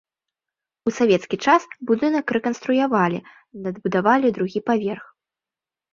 У савецкі час будынак рэканструявалі, надбудавалі другі паверх.